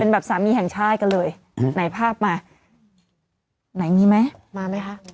แบบสามีแห่งชาติกันเลยไหนภาพมาไหนมีไหมมาไหมคะ